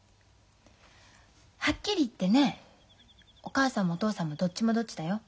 はっきり言ってねお母さんもお父さんもどっちもどっちだよ。